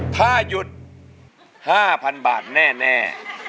ถ้าหยุด๕๐๐๐บาทแน่